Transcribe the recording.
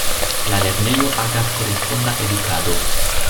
La lernejo agas koresponda edukado.